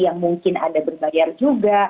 yang mungkin ada berbayar juga